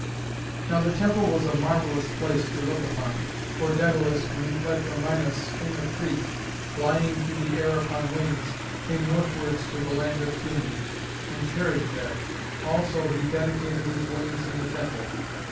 Now the temple was a marvellous place to look upon. For Dædalus, when he fled from Minos, King of Crete, flying through the air upon wings, came northwards to the land of Cumæ, and tarried there. Also he dedicated his wings in the temple.